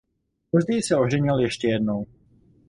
Později se oženil ještě jednou.